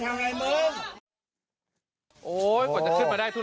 โอ้มันจะขึ้นมาได้ทุกที่